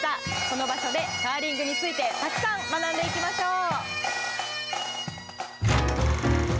この場所でカーリングについてたくさん学んでいきましょう。